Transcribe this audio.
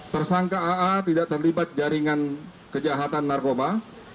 tersangka aa tidak terlibat jaringan kejahatan narkoba